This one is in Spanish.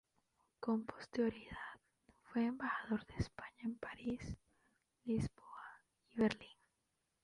Con posterioridad fue embajador de España en París, Lisboa y Berlín.